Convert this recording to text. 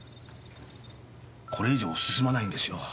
これ以上進まないんですよ。